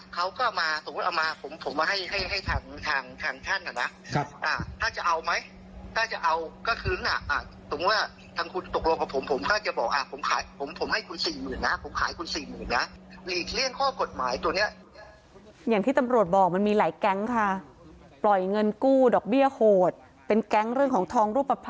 เขาก็เอามาสมมุติเอามาผมผมมาให้ให้ทางทางท่านอ่ะนะถ้าจะเอาไหมถ้าจะเอาก็คือน่ะสมมุติว่าทางคุณตกลงกับผมผมก็จะบอกอ่ะผมขายผมผมให้คุณสี่หมื่นนะผมขายคุณสี่หมื่นนะหลีกเลี่ยงข้อกฎหมายตัวเนี้ยอย่างที่ตำรวจบอกมันมีหลายแก๊งค่ะปล่อยเงินกู้ดอกเบี้ยโหดเป็นแก๊งเรื่องของทองรูป